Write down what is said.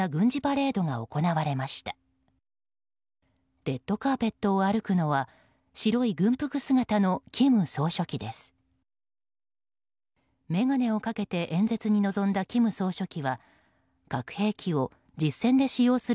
レッドカーペットを歩くのは白い軍服姿の金総書記です。